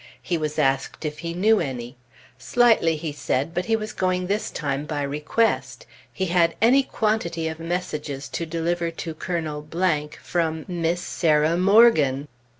He was asked if he knew any. Slightly, he said; but he was going this time by request; he had any quantity of messages to deliver to Colonel from Miss Sarah Morgan.